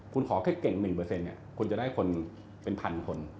คุณขอแค่เก่งหนึ่งเปอร์เซ็นต์คุณจะได้คนเป็นพันคน